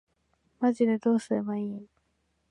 マジでどうすればいいん